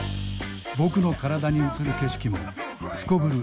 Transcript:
僕の体に映る景色もすこぶる